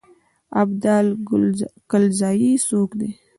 ابدال کلزايي څوک دی.